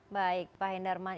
baik pak henderman